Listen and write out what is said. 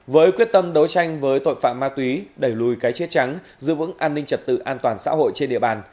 với quyết tâm đấu tranh với tội phạm ma túy đẩy lùi cái chết trắng giữ vững an ninh trật tự an toàn xã hội trên địa bàn